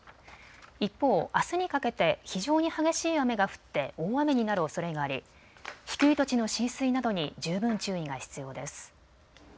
一方、あすにかけて非常に激しい雨が降って大雨になるおそれがあり低い土地の浸水などに十分注意が必要です。